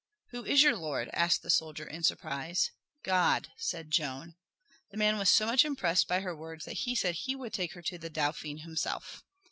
"Who is your Lord?" asked the soldier in surprise. "God," said Joan. The man was so much impressed by her words that he said he would take her to the Dauphin himself.